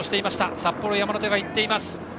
札幌山の手も行っています。